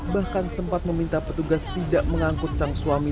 bahkan sempat meminta petugas tidak mengangkut sang suami